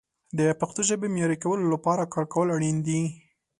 د پښتو ژبې معیاري کولو لپاره کار کول اړین دي.